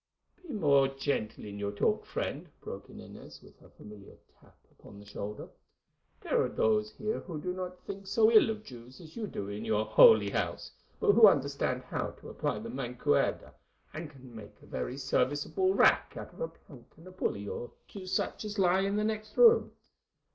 "Be more gentle in your talk, friend," broke in Inez, with her familiar tap upon the shoulder. "There are those here who do not think so ill of Jews as you do in your Holy House, but who understand how to apply the mancuerda, and can make a very serviceable rack out of a plank and a pulley or two such as lie in the next room.